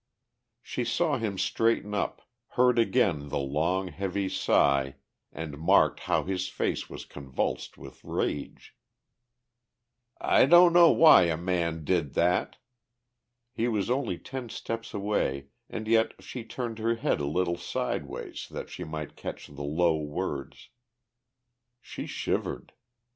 She saw him straighten up, heard again the long, heavy sigh and marked how his face was convulsed with rage. "I don't know why a man did that." He was only ten steps away and yet she turned her head a little sideways that she might catch the low words. She shivered.